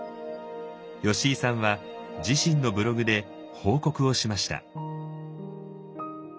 吉井さんは自身のブログで報告をしました。